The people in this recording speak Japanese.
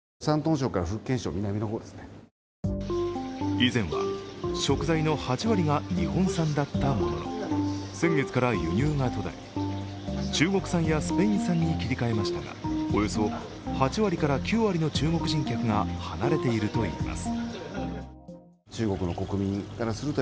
以前は食材の８割が日本産だったものの先月から輸入が途絶え、中国産やスペイン産に切り替えましたがおよそ８割から９割の中国人客が離れているといいます。